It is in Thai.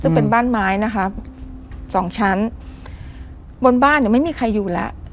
ซึ่งเป็นบ้านไม้นะคะสองชั้นบนบ้านเนี่ยไม่มีใครอยู่แล้ว